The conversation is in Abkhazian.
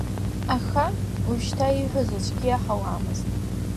Аха, ожәшьҭа ииҳәоз аӡәгьы иаҳауамызт.